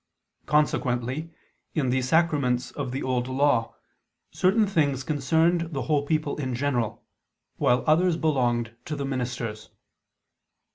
Consequently, in these sacraments of the Old Law, certain things concerned the whole people in general; while others belonged to the ministers.